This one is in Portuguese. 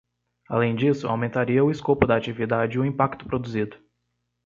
Além disso, aumentaria o escopo da atividade e o impacto produzido.